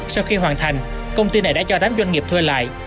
sau khi hoàn thành công ty này đã cho tám doanh nghiệp thuê lại